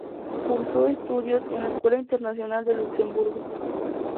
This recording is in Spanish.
Cursó estudios en la Escuela Internacional de Luxemburgo.